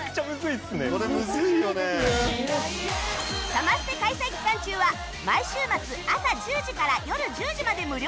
サマステ開催期間中は毎週末朝１０時から夜１０時まで無料開放